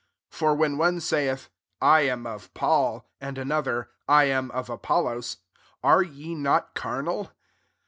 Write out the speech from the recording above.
4 For when one saith^ " I am of Paul," and another, " I am of ApoUos," are ye not carnal